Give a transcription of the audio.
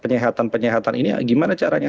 penyehatan penyehatan ini gimana caranya